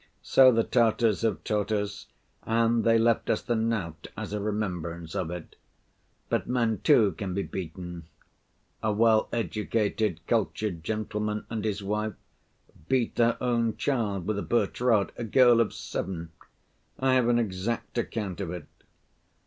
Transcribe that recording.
So the Tatars have taught us, and they left us the knout as a remembrance of it. But men, too, can be beaten. A well‐educated, cultured gentleman and his wife beat their own child with a birch‐rod, a girl of seven. I have an exact account of it.